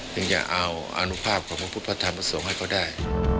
จะเอาอนุภาพของพระพุทธพระธรรมส่งให้เขาได้